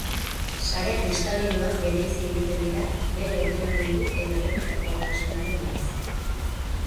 Sare kristalinoak bereizi egiten dira, bere ordenamendu edo errepikakortasunaren bidez.